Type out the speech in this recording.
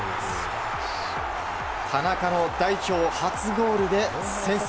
田中の代表初ゴールで先制。